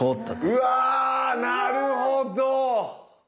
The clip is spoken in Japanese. うわなるほど！